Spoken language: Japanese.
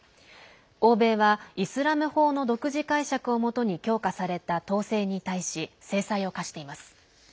欧米は、イスラム法の独自解釈をもとに強化された統制に対し制裁を科しています。